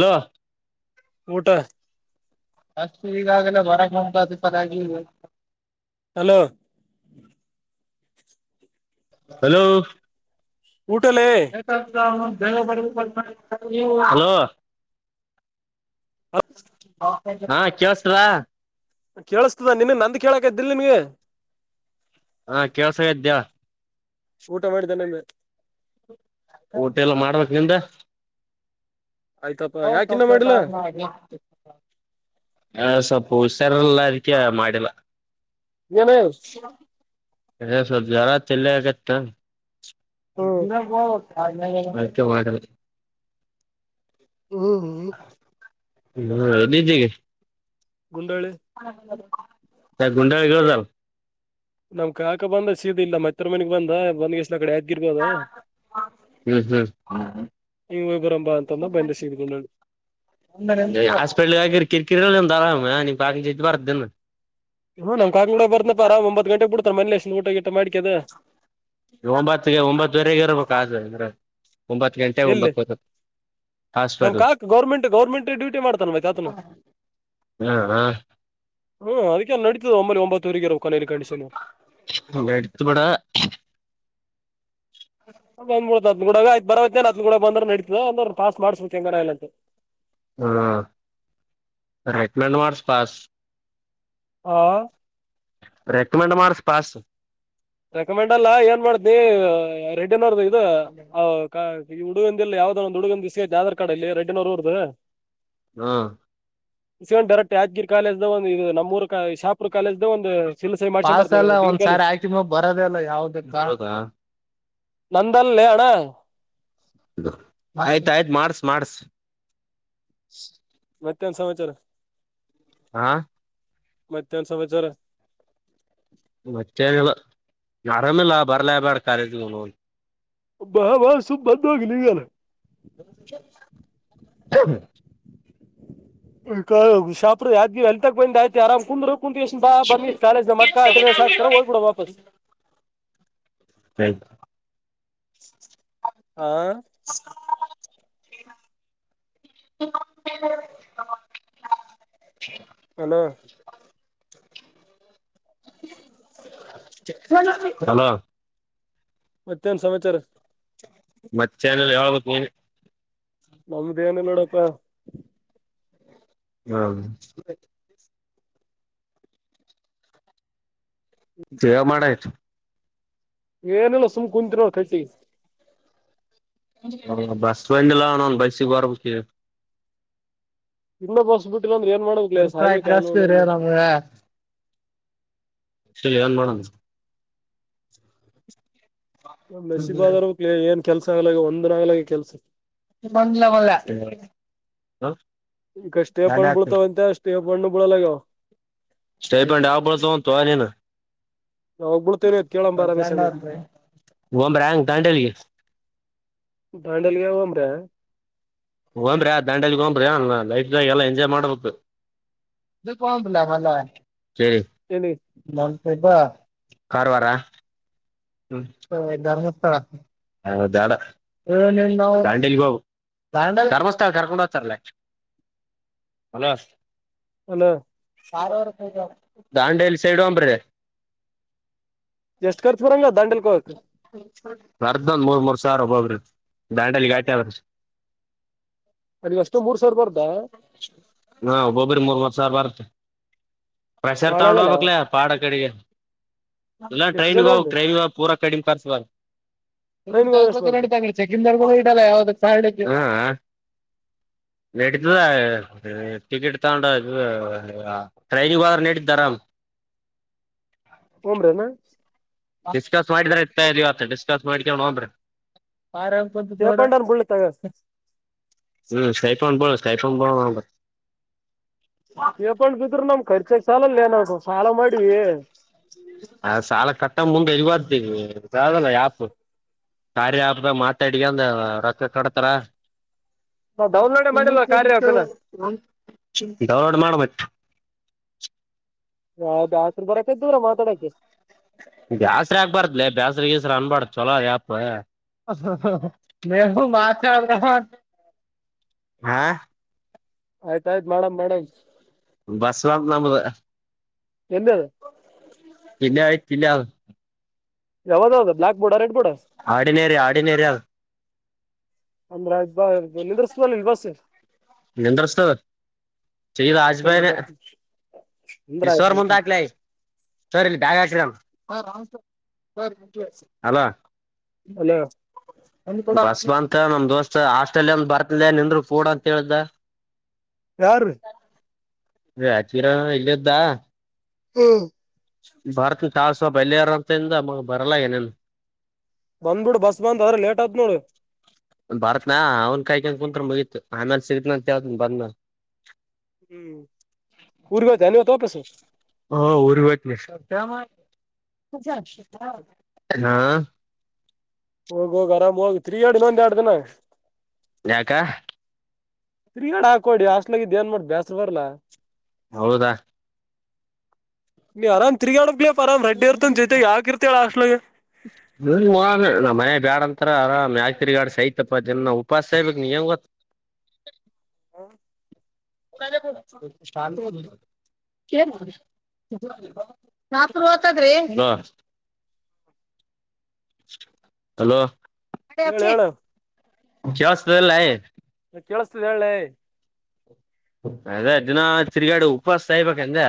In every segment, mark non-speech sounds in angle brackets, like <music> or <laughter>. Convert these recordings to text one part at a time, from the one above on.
Hello, ಊಟ. <unintelligible> Hello, hello, ಊಟಲ್ಲೇ hello. ಹಾ ಕೆಲ್ಸತದ ಕೇಳಿಸ್ತದ ನಿನ್ನಗ ನಂದ ಕೇಳಕ ಇದ್ದಿಲ್ಲ ನಿನಗ ಹಾ ಕೆೇಳಸಕತ್ ಹೇಳು ಊಟ ಮಾಡದೇನಮ್ಮಿ ಊಟ ಇಲ್ಲ್ ಮಾಡ್ಬೇಕ್ ನಿಂದ. ಆಯ್ತಪ್ಪ <unintelligible> ಯಾಕಿನ್ನ ಮಾಡಿಲ್ಲ ಹುಷಾರ್ ಇರಲಿಲ್ಲ ಅದಕ್ಕೆ ಮಾಡಿಲ್ಲ. ಏನಾಗ್ಯದ. ಎ ಸ್ವಪ ಜ್ವರ ತೇಲ ನೌಕತಿತ್ತು. ಹ್ಮ್ ಅದಕ್ಕೆ ಮಾಡಿಲ್ಲ. ಹ್ಮ್ ಯಲ್ಲಿದೀ ಇಗ್ ಗುಂಡಾಳಿ <unintelligible> ನಮ್ ಕಾಕ ಬಂದ ಸಿದ ಇಲ್ಲಿ ನಮ್ ಅತ್ತೆರಾ ಮನಿಗ್ ಬಂದ ಬಂದ್ಗೆಸಿ ಅಕ್ಡಿ ಯಾದಗಿರ್ಕ್ ಹೋದ. ಹ್ಮ್ ಹಂಗೆ ಹೋಗಿ ಬರಂ ಬಾ ಅಂಥ ಅಂದ ಸೀದಾ ಗುಂಡಳ್ಳಿ. ಹಾಸ್ಪಿಟಲ್ ಹಾಕಿದರೆ ಕಿರಿಕಿರಿಂತ ಅರಾಮ ಬಕಿ ಬರ್ದನು ಹ್ಮ ನಮ್ ಕಾ ಕಡಡೆ ಬರ್ನಪ್ಪರ ಒತ್ ಗಂಟೆ ಬಿಡ್ತಾರ ಮನೇ ಎ ಊಟಗ <unintelligible> ಒಂಬತ್ತಗೆ ಒಂಬತ್ತುವರೆಗೆ ಇರ್ಬೇಕ ಅದ ಅಂದ್ರೆ ಒಂಬತ್ತು ಗಂಟೆ ಎಲ್ಲಿ ಒಂಬತ್ತು ವರೆ ನಮ್ ಕಾಕ ಗೌರ್ಮೆಂಟ್ ಗೌರ್ಮೆಂಟ್ ಡ್ಯೂಟಿ ಮಾಡ್ತನ್ ಮಾತ ಆತನು ಹ ಹ ಹ್ಮ ಅದಕ್ಕೆಲ್ಲ ನಡತದೆ ಒಂಬಲ್ಲಿ ಒಂಬತ್ತುವರೆಗರೋಬಕ್ ಅ ಅಡುತ ಬಿಡೆ ಬಂದ್ಬಡದ್ ಗೂಡಯತ್ ಬರವ ನ ಅದ್ ಗೂಡ ಬಂದ ನಡಿತದ ಒಂದ್ರು ಪಾಸ್ ಮಾಡಸು ಚಂಗರಲ್ಲ ಅಂತ ಹಾ ರೈತನಾನವಾರ್ಸ್ ಪಾಸ್ ಹಾ ರೆಕಮೆಂಡ್ ಮಾಡರ್ಸ್ ಪಾಸ್ ರೆಕಮೆಂಡ್ ಅಲ್ಲ ಏನ್ ಮಾಡ್ದಿ ರೆಡ್ಡಿ ನೋಡ ಇದು ಈ ಹುಡುಗಂದ ಇಲ್ಲಿ ಯಾವ್ದದ ಒಂದು ಹುಡುಗಂದ ದಿವಸ ಆಧಾರ್ ಕಾರ್ಡ್ ಉರದ ಹ್ಮ ಇಸ್ಗೊಂಡ್ ಡೈರೆಕ್ಟ್ ಯಾದ್ಗೀರಿ ಕಾಲೇಜ್ ಒಂದು ಇದು ನಮ್ಮೂರ್ ಶಾಪುರ್ ಕಾಲೇಜ್ ದ ಒಂದು ಸಿಲ್ ಸಹಿ ಮಾಡ್ಸ್ಕೊಂಡ್ ಪಾಸ್ ಬರ್ತೀನಿ ಎಲ್ಲ ಡಿಗ್ರಿ ಒಂದ್ಸಾರಿ ಆಕ ಮ ಬರದಲ್ಲ ಯಾವ್ದ ನಂದನ್ ಲೇ ಅಣ್ಣ ಆಯ್ತ್ ಆಯ್ತ್ ಮಾಡಸ ಮಾಡಸ ಮತ್ತೆನ್ ಸಮಾಚಾರ. ಹಾ ಮತ್ತೆನ್ ಸಮಾಚಾರ ಮತ್ತೆ ಏನ ಇಲ್ಲ ಆರಾಮಲ್ಲ ಬರಲೇ ಬೇಡ ಕಾಲೇಜ ಮಾ ಬಾ ಬಾ ಸಮ ಬಧ ಹೋಗ ನೀ ಇಲ್ಲಿಗರ್ ಹ ಶಾಪುರು ಯಾದ್ಗೀ ಎಲ್ತಾಗ ಬಂದ್ ಆಯ್ತಿ ಆರಾಮ್ ಕುಂದ್ರು ಕುಂತ ಕೇಯಸ್ ಬಾ ಬನ್ನಿ ಕಾಲಜ್ ನಮ್ಮಕ್ಕ ಅಟೆಂಡೆನ್ಸ್ ಹಾಕತಾರೆ ಹೋಗ್ಬಡ ವಾಪಸ್ ಹಯತ ಆ <unintelligible> ಹಲೋ ಹಲೋ ಮತ್ತೆನು ಸಮಾಚಾರ. ಮತ್ತೆ ನಲ್ಲ ಹೇಳ್ಬೇಕ ನೀ ನಮ್ದ ಏನ ನೋಡಪ್ಪಾ ಹಾ ಜವ ಮಾಡ ಆಯ್ತು ಏನಲ್ಲ ಸುಮ್ ಕುಂತ್ರಿವ್ <unintelligible> ಹ ಬಸ್ ಬಂದಿಲ್ಲಣ ಒನ್ ಬೈಸಿಗೆ ಬರಬೇಕಕ್ಕೆ ಇ ಇನ್ನ ಬಸ್ಬಿಟ್ಟಿಲ್ಲ ಅಂದ್ರೆ ಏನ್ ಮಾಡ್ಬೇಕಕ್ಲ ಸರ್ಪ್ರೈಸ್ ಸಾಯ್ಬೇಕ ಏನೋ ಜಾಸ್ತಿ ರೀ ಅನೋನ. ಷರಿ ಎನ್ ಮಾಡನ್ ನ್ ನಸೀಬಾದಗ್ ಏನ್ ಕೆಲ್ಸ ಆಗ್ಲ ಒಂದನ್ ಆಗ್ಲಕ್ಕೆ ಕೆಲ್ಸ ಬಂದಲ <unintelligible> ಈಗ ಸ್ಟೇ ಪಣ್ ಬೀಳತಾವ್ ಅಂತೆ ಸ್ಟೇ ಪಣ್ಣ ಬಿಲ್ಲಗಾವ್ ಸ್ಟೇಪೌಂಡ್ ಯಾವಾಗ ಬೀಳತ್ತಂತೆ ನೀನು ಯಾವಾಗ ಬೀಳತೀರಿ ಎತ್ತೋಳಾ ಬಾರಾವಸಣ ಒಬ್ರ ಹೆಂಗ್ ದಾಂಡೇಲಿಗೆ ದಾಂಡೇಲಿ ಹೋಗಿ ಬಂದ್ರ್ಯ ಹೋಗ್ನ್ ರೇ ದಾಂಡೇಲಿ ಹೋಗನ್ ರೇ ಅ ಲೈಫ್ ದಾಗ ಎಲ್ಲಾ ಎಂಜಾಯ್ ಮಾಡ್ಬೇಕು ತ ಕ ಬಲಾ ಭಲ ಏನಿ <unintelligible> ಕಾರವಾರ ಧರ್ಮಸ್ಥಳ ಯ ಬೇಡಾ ದಾಂಡೇಲಿ ಹೋ ಧರ್ಮಸ್ಥಳ ಕರ್ಕೊಂಡೋಗ್ತಿದ್ರು ಅಲ್ಲ <unintelligible> ದಾಂಡೇಲಿ ಸೈಡ್ <unintelligible> ದಂಡಲ್ಕೋಕ್ ಅರ್ದೊಂದ್ ಮೂರ್ ಮೂರ್ ಸಾವಿರ ಒಬ್ಬಬ್ರ ದಾಂಡಲಿಗೆ <unintelligible> ಅಲ್ಲಿಗ್ ಅಷ್ಟೇ ಮೂರ್ ಸಾವಿರ ಬರುತ್ತಾ ಹಾ ಒಬ್ಬೊಬ್ರಿಗ್ ಮೂರು ಮೂರ್ ಸಾವ್ರ ಬರುತ. ಪ್ರೆಷರ್ ಬಾಳ ತಗೊಂಡ ಆಗಲ್ಲ. ಹೋಗಬೇಕ್ಲೆ ಪಾಡ ಅಕಡಿಗೆ ಇಲ್ಲ ಎಷ್ಟ್ ಜನ ಟ್ರೈನಿಗೋಗ್ಬೇಕು ಹೋಗ್ರಿ ಟ್ರೈನ್ ಪೂರ <unintelligible> <unintelligible> ಟ್ರೈನ್ಗೆ ನಡತದ ಹೋದ್ರೆ ಎಷ್ಟ್ ಬರುತ್ತೆ ಟಿಕೆಟ್ ತಗೊಂಡದು ಟ್ರೈನಿಗೆ ಹೋದ್ರ ನಡಿದ್ದಾರಾಮ್. <unintelligible> ಹೋಗ್ಮ್ರೇನ ಡಿಸ್ಕಸ್ ಮಾಡಿದ್ರ ಇತ ಇದ ಡಿಸ್ಕಸ್ ಮಾಡಿಕ ನೋಂದ್ರಿ. <unintelligible> ಸ್ಟೇಪ್ ನೋಡ ಹಣ್ಣ್ ಅನ್ ಬೀಳ್ಲಿ ತಗ. ಹ್ಮ ಸರಿ <unintelligible> <unintelligible> ನಮ್ ಖರ್ಚ ಸಾಲಲೆನದು ಸಾಲ ಮಾಡಿ ಅ ಸಾಲ ಕಟ್ಟ ಮುಂದೆ <unintelligible> ಯಾಪು ಕಾರ್ಯ ಆ್ಯಪ್ ಮಾತ್ಯಡ್ಕೊಂಡ್ ರೊಕ್ಕ ಕೊಡ್ತರ ನಾವ್ ಡೌನ್ಲೋಡೇ ತಲಿ ಮಾಡಿಲ್ಲ ಕಾರ್ಯ ಕೆಟ್ಟು ಅಪ್ಪನ. ನಮ್ ಚಿಂತಿ ನೋಡ್ ನೊಡ್ತ್ ಮತ್ತೆ. ಹದ <unintelligible> ಬರಕತ್ತಿರಾ ಮಾತಾಡಕ್ಕೆ ಬ್ಯಾಸ್ರ ಹಾಕ್ಬಾರ್ದಲ ಬ್ಯಾಸ್ರ ಗೀಸ್ರ ಅನ್ಬಾರಡ್ದು ಚಲೋ ಯಪ. <unintelligible> ಆಯ್ತಾಯ್ತ್ ಮಾಡಮ್ ಮಾಡಮ ಬಸ್ವ <unintelligible> ಎಲ್ಲಿ ಅದ? ತಿಂಡಿ ಆಯ್ತ್ <unintelligible> ಯಾವುದದ್ ಬ್ಲಾಕ್ ಬೋರ್ಡ ರೆಡ್ ಬೋ ಆಡಿನೇರಿ ಆಡಿನೇರಿ ಅದು ಅಂದ್ರೆ <unintelligible> <unintelligible> <unintelligible> ಆಯ್ತಂದ್ರ ಬರ್ತೀನಿ ಅಂದ್ರ ಆಯ್ತ ಮುಂದ್ ಬರ್ತೀನಿ ಹಕ್ಲೆ ಸರ್ ಇಲ್ಲಿ ಬ್ಯಾಗ್ ಹಾಕ್ಸಿದನ. ಹಲೋ ಹಲೋ ಬಸ್ಮಾಂತ ನಮ್ ದೋಸ್ತ್ ಹಾಸ್ಟೆಲ್ ಒಂದ ಬರ್ತ ನಿಂದರು ಕೂಡ ಅಂತ ಹೇಳ್ದ. ಯಾರ್ರೀ <unintelligible> ಇಲ್ಲದ್ದ ಹ್ಮ್ ಬರ್ತ ತಳ್ಸ ಬಲ್ರಂತಿಂದ ಮ ಬರಲ್ಲ ಏನಿಲ್ಲ ಬಂದ್ಬಿಡು ಬಸ್ ಬಂದ್ರ ಲೇಟ್ ಆತ್ ನೋಡು ಬರತ್ನಾ ಅವ್ನ್ ಕಾಯ್ಕೊಂಡ ಕುಂತ್ ಮುಗೀತ್ು ಆಮೇಲೆ ಸಿಗ್ನಿ ಅಂತ ಹೇಳ್ತೀನಿ ಬಂದು ಹ್ಮ್ ಊರ್ಗ್ ಹೋಯ್ತ ನೀವತ್ ವಾಪಸ್ ಹ ಊರಿವತ ನೀ ಹಾ ಹೋಗ ಹೋಗ ಆರಾಮ್ ಹೋಗ ತಿರಿಯಾಡಿನೊಂದ ಎರಡು ದಿನ ಯಾಕ ರಿಯಾ ಹಾಕೋಡಿ ಹಸ್ಟ್ಲಗಿದ್ದ್ ಏನ್ ಮಾಡ ಬೇಸ್ರ ಬರ್ಲ್ಲಾ. ಹೌದಾ ನೀ ಅರಾಮ್ ತಿಗೋಣ ಬಿ ಆರಾಮ್ ರಡ್ಡಿ ಇರ್ತ ಜೈತೆ ಯಾಕಿರ್ತ ಹೇಳ ಅಶ್ಲಗೆ <unintelligible> ಮನೆ ಬ್ಯಾಡ್ಯಾಂತ ಆರ ಆರಾಮ್ ಯಾಕ ತಿರ್ಗಾಡ್ ಸಐತಪ್ಪ ಜನ ಉಪಾಸ ಆಬೇಕಕ್ ನೀ ಹೆಂಗ ಗೊತ್ತ <unintelligible> <unintelligible> <unintelligible> ಹಲೋ ಹೇಳ ಹೇಳ ಜಾಸ್ಲ್ಲಯ ಕೇಳಸ್ತದೆ ಹೇಳೆ ಅದೇ ದಿನ ತಿರ್ಗಾಡು ಉಪವಾಸಾ ಸಾಯಿಬೇಕು ಏನ್ ಲೆ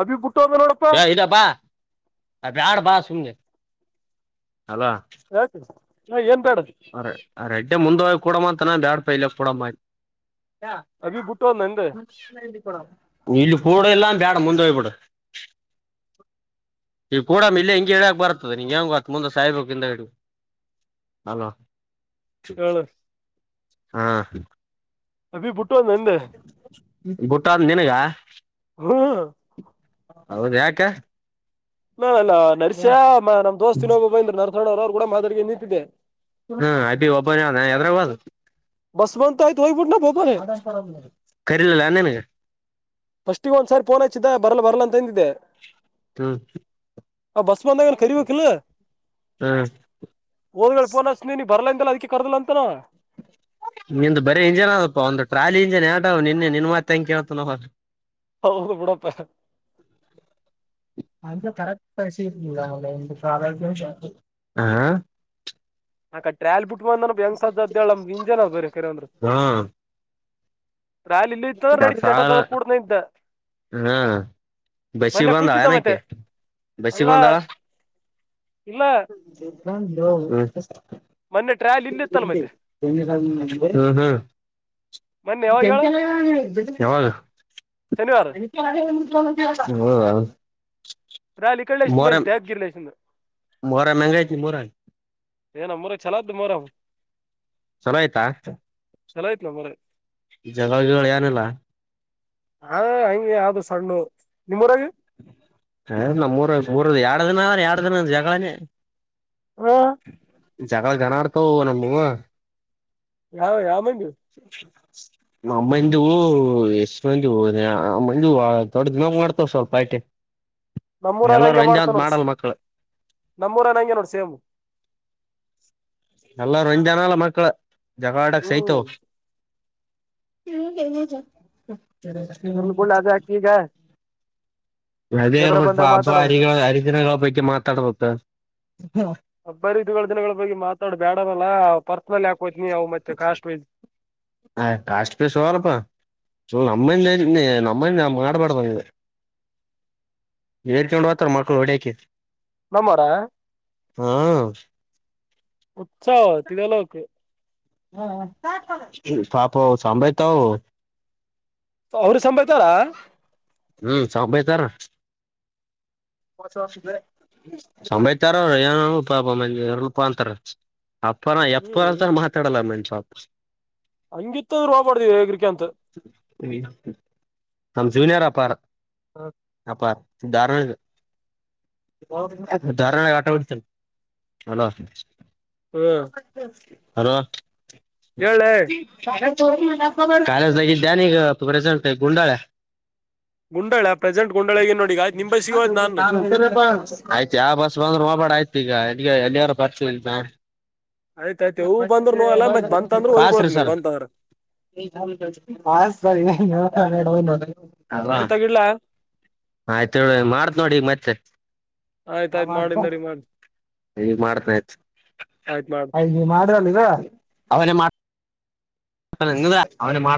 ಅಭಿ ಬಿಟ್ಟು ಹೋದ ನೋಡಪ್ಪಾ ಎ ಇದಪ್ಪ ಬೇಡ ಬಾ ಹೂ ಹಲೋ ನಾ ಏನ್ ಬೇಡ ಅೆಡ್ೇ ಮುಂದ ಕೂಡಮ್ಮ ಅಂತಾನ ಬ್ಯಾಡ್ ಪೈಲ್ ಕೊಡಣ ಅಭಿ ಬಿಟ್ಟುಹೋದ ಏನ್ ಲೆ ಇಲ್ಲಿ ಕೂಡು ಎಲ್ಲಾ ಬೇಡ ಮುಂದ ಹೋಗ್ಬಿಡು ಈಗ ಕೂಡ ಮ ಇಲ್ಲಿೇ ಹಿಂಗಗೆಿಡಾಕ್ ಬರ್ತ್ತದೆ ನೀಂಗೆ ಹಂಗ ಹತ್ತು ಮುಂದೆ ಸಾಯ್ಬೇಕಿಂದ ಹಿಂದಗಡಿ ಹಲೋ ಹೇಳು ಹಾ ಅಭಿ ಬಿಟ್ಟು ಹೋದನೆಲೆ ಬುಟ್ಟೊಡ್ನ ನಿಂಗ ಹೂ ಹೌದ ಯಾಕ ನ ಅಲ್ಲ ನರಸ್ಯಾ ನಮ್ಮ ದೋಸ್ತ್ ಇನ್ನೊಬ್ಬಂದ್ರ ನರಸವಣ್ಣ ಅವರ ಅವ್ರು ಕೂಡ ಮಾತಾಡ್ಕೊಂಡು ನಿಂತಿದ್ದಿದೆ ಹೂ ಅಭಿ ಒಬ್ಬ ಹೋದನ ಎದ್ರಲ್ಲಿ ಹೋದ ಬಸ್ ಬಂತು ಕರಿಲಲ್ಲ ಏನ್ ನಿಂಗ ಫಸ್ಟಿಗೆಗ ಒಂದ್ ಸಾರಿ ಫೋನ್ ಆಯ್ಚ್ಚಿದ್ದ ಬರಲ್ಲ ಬರ್ಲ್ಲ ಅಂತ ಎಂದಿದ್ದೆ ಹ್ಮ್ ಆ ಬಸ್ ಬಂದ ಕರಿಬೇಕಿಲ್ಲಾ ಹ್ಮ್ ಹೋಗಲಾ ಫೋನ್ ಅಚ್ಚ ನೀ ಬರಲ್ಲ ಅಂದಿ ಅಂತಲ್ಲ ಅದಕ್ಕೆ ಕರೆದಿಲ್ಅಂತನ ಅವ ನಿ ಬರೇ ಇಂಜಿನ್ ಅದಪ್ಪ ಒಂದಂದು ಟ್ರಾಲಿ ಇಂಜಿನ್ ಯಟ ನಿನ್ನೆ ನಿನ್ ಮತ್ತೆ ಹೆಂ ಕೇಳ್ತ ನ ಹೌದು ಬಿಡಪ್ಪ ಅಂತ ಕಳ್ಸಿ ಹಾ ಅಕ ಟ್ರ್ಯಾಲಲ್ ಬಿಟ್ಟ ಬಂದನ ಹೆಂಗ್ ಸಾವ್ರದ ಹದ್ೇಳ ಅಮ್ಗೆ ಇಂಜನ್ ಬರ ಖರಿ ಅಂದ್ರ ಸಾರ ಕೂಡ್ನ ಇದ್ದ ಹಾ ಬಸ್ ಗೆ ಮೊನ್ನೆ ಬಂದಳ ಕುಂತಿದ್ದ ಮತ್ತೆ ಆಕಿ ಬಸ್ ಗೆ ಅಲ್ಲ ಬಂದಳ ಇಲ್ಲ ನ ಮೊನ್ನೆ ಟ್ರಾಯಲ್ ಇಲ್ಲಿ ಇತ್ತಲ್ ಮತ್ತೆ ಹೂ ಹೂ ಮೊನ್ನೆ ಯಾವಾಗ ಂಟಂ ಹೇಳ ಯಾವಾಗ ಶನಿವಾರ ಹೂ ರಾಲಿ ಕಡೆ ಎಷ್ಟ ಮನ್ ತ್ಯಪ್ ಜಿಲ್ಲೆ ಎ. ಮೊರಂ ಎಂಗೈತ್ ನಿಮ್ ಊರಾಗ. ಹೇ ನಮ್ಮೂರಾಗ. ಚಲೋ ಆಯ್ತಾ ಚೋಲಾ ಐತಿ ನಾಮ್ ಊರಾಗ ಜಗಳಗಿಗಳ ಏನಿಲ್ಲ ಹಾ ಹಂಗೆ ಯಾವ್ದು ಸಣ್ಣು ನಿಮ್ಮೂರಗೆ ಹೇ ನಾಮ್ ಊರಾಗ ಎರಡು ದಿನ ಎರಡು ದಿನ ಜಗಳನೆ ಹಾ ಜಗಳ ಗಾನ ಆಡ್ತವು ನಾಮ್ ವೂ ಯಾವ ಯಾಮಂದೀ ನಮ್ಮಜ ಎಷ್ಟ ಮಂದ ಹೋದೆ ನಮ್ಮಂದ ದೊಡ್ಡ ಡಿಮಾಕ ಮಾಡ್ತಾವ ಸ್ವಲ್ಪ ಪಾರ್ಟಿ ನಮ್ಮೂರಾನ ಹಂಗೆ ಮಾಡ್ತಾನೋರ್ಸಿ. ನಮ್ಮರ ನಂನೋರು ಸೇಮ. ಎಲ್ಲ ಒಂದ್ ಜನಾಲ ಮಕ್ಕಳ ಜಗವಾಡಕ್ ಹ್ಮ್ ಸೈತವ. ಹ್ಮ್ ಹೇಳನಜ. <unintelligible> <unintelligible> ಎದ್ರ ಅದೇರ್ಬೇಕ ಬಂದಾಗ ಅಬ ಮಾತಾಡಮ್ಮ ಹರಿ ಹರಿದಿನಗಳ ಪೈಕಿ ಮಾತಾಡ್ಬೇಕ. ಅಬ್ಬಾರಿ ಇೇಳ ದಿನಗಳ ಬಗ್ಗೆ ಮಾತಾಡ ಬೇಡವಲ್ಲಾ ಪರ್ಸನಲ್ ಯಾಕ. ಕೊಚ ನೀ ಅವ ಮತ್ತೆ ಕಾಶ್ಮೀರ್. ಹ ಕಾಷ್ಟಟ್ ಪೇ ಸೋ ರೂಪಾಯ. ನಮ್ಮ ನಮ್ಮಲ್ಲಿ ಮಾಡಬಾರಡ್ದ ಬಂದಿದೆ. ಹೇರ್ಕೊಂಡು ಹತ್ರ ಮಕ್ಕಳು ಹೊಡಕ. ನಮ್ಮರ ಹ್ಮ. ಉತ್ಸಾಹ ತಿದೆಲಕ. ಸಾಪ ಸಂಭಾಯತ ಹೂ. ಅವ್ರ ಸಂಭಯ್ತಾರ. ಹ್ಮ್ ಸಂಬಯತಾರ. ಸಮಯತಾರ ಏೂಪಾ ಮ ಎರ ರೂಪಾ ಅಂತಾರ. ಅಪ್ಪಾ ಹ್ಮ್ ಎಪ್ಪಸ ಮಾತಾಡಲ್ಲ ನನ್ ಪಾಪ. ಹಂಗಿತ್ತ ರೂಪ ಪಡ್ವಿ ಹೇಗ್ರಿಕೆ ಅಂತ. <inaudible> <unintelligible> ಅ ಧಾರ. <unintelligible> ಧಾರ ಆಟ ಉಲ. <unintelligible> ಹ್ಮ್ ಹಲೋ. ಹೇಳೆ <inaudible> ಕಾಲೇಜ್ದಾಗಿದ್ದಾನ ಈಗ ಪ್ರೆಸೆಂಟ್ ಗುಂಡಾಳೆ. ಗುಂಡಾಳ ಪ್ರೆಸೆಂಟ್ ಗುಂಡಾಳಗ ನೋಡಿ ಈಗ ಆಯ್ತ್ ನಿಂಬ ಸಿಗೋಯ್ತ್ ನಾನ್ <unintelligible> ಆಯ್ತೆ ಬಸ್ ಬಂದು. ಬಾ ಆಯ್ತು ಈಗಗ ಎಲ್ಲಿಯಾರ ಬರ್ತಲ್. ಆಯ್ತಾಯ್ತು ಇವು ಬಂದ್ರು ನೋಲ್ಲ ಮತ್ ಬಂತಂದ್ರ ಹಾ ಸರಿ ಹೋಗ್ಬಿಡತ್ ನೀ ಸರ್. ಬಂತಂದ್ರ <unintelligible> ಬರಿ ತಗಲಾ. ಆಯ್ತು ಮಾಡತ್ ನೋಡಿ ಮತ್ತೆ. ಆಯ್ತಾಯ್ತ್ ಮಾಡಿಂದರಿ ಮಾಡ್. ಹ ಮಾಡ್ತ ಆಯ್ತು ಮಾಡು. ಮಾಡ ಅವ. ಅ ನಿ ಅವನ ಮಾ